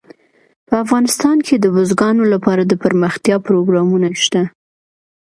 په افغانستان کې د بزګانو لپاره دپرمختیا پروګرامونه شته.